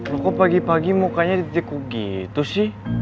kok pagi pagi mukanya dititikku gitu sih